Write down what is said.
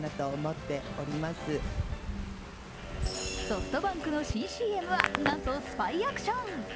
ソフトバンクの新ＣＭは、なんとスパイアクション。